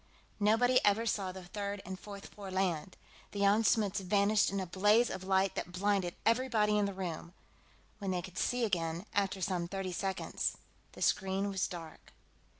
Nobody ever saw the third and fourth four land. The Jan Smuts vanished in a blaze of light that blinded everybody in the room; when they could see again, after some thirty seconds, the screen was dark.